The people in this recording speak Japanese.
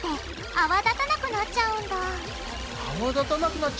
泡立たなくなっちゃうの？